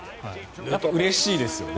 うれしいですよね。